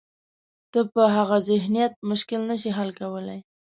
ته په هغه ذهنیت مشکل نه شې حل کولای.